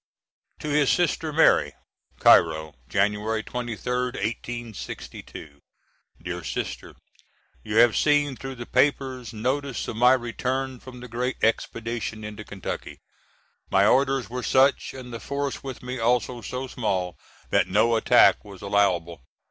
To his sister Mary.] Cairo, Jan. 23d, 1862. DEAR SISTER: You have seen through the papers notice of my return from the great expedition into Kentucky. My orders were such and the force with me also so small that no attack was allowable.